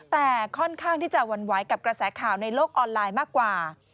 แต่ค่อนข้างที่จะหวั่นไหวกับกระแสข่าวในโลกออนไลน์มากกว่า